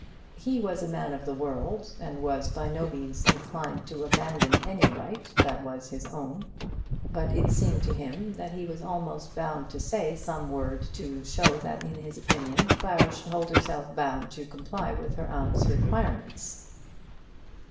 He was a man of the world, and was by no means inclined to abandon any right that was his own; but it seemed to him that he was almost bound to say some word to show that in his opinion Clara should hold herself bound to comply with her aunt's requirements.